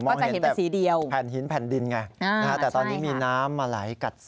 ก็จะเห็นเป็นสีเดียวใช่ค่ะแต่ตอนนี้มีน้ำมาไหลกัดซ่อ